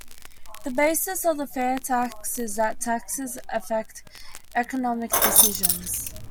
The basis of the FairTax is that taxes affect economic decisions.